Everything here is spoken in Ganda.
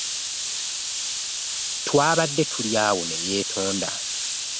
Twabadde tuli awo ne yeetonda.